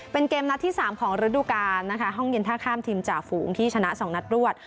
เป็นเกมนัดที่๓ของฤดูกาลนะคะห้องเย็นท่าข้ามทีมจ่าฝูงที่ชนะ๒นัดรวด